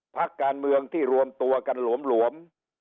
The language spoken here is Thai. พักการเมืองที่รวมตัวกันหลวม